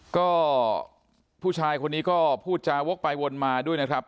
ก็ผู้ชายคนนี้ก็พูดจาวกไปวนมาด้วยนะครับ